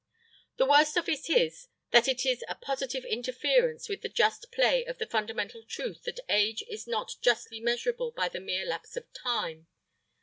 The worst of it is that it is a positive interference with the just play of the fundamental truth that age is not justly measurable by the mere lapse of time.